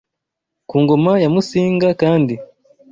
Ku ngoma ya Musinga kandi,